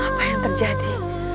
apa yang terjadi